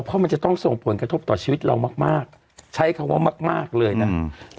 เพราะมันจะต้องส่งผลกระทบต่อชีวิตเรามากมากใช้คำว่ามากมากเลยนะอืม